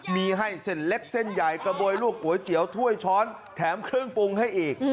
มีให้เส้นเล็กเส้นใหญ่กระบวยลูกก๋วยเตี๋ยวถ้วยช้อนแถมเครื่องปรุงให้อีก